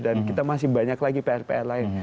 dan kita masih banyak lagi prpl lain